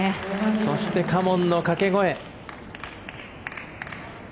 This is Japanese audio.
そしてカモンの掛け声。